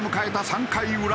３回裏。